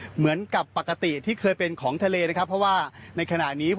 เหมือนกับปกติที่เคยเป็นของทะเลนะครับเพราะว่าในขณะนี้